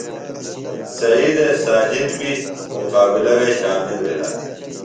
سعیدے ساجد بیۡ مقابلہ وے شامل بِھلہ۔